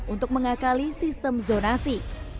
untuk mengakali sistem zonasi